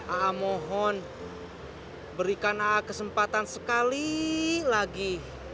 aa mohon berikan kesempatan sekali lagi